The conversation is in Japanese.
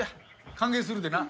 歓迎するでな。